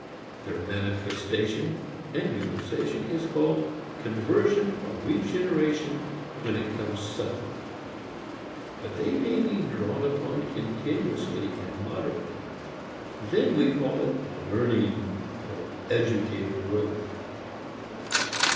Their manifestation and utilization is called conversion or regeneration when it comes suddenly. But they may be drawn upon continuously and moderately. Then we call it learning or educative growth.